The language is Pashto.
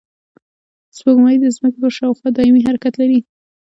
سپوږمۍ د ځمکې پر شاوخوا دایمي حرکت لري